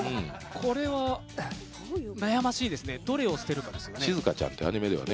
これは悩ましいですね、どれを捨てるかですね。